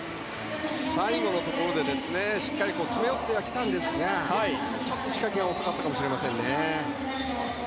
最後のところで、しっかり詰め寄ってはきたんですがちょっと仕掛けが遅かったかもしれませんね。